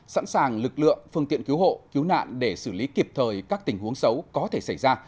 sẵn sàng lực lượng phương tiện cứu hộ cứu nạn để xử lý kịp thời các tình huống xấu có thể xảy ra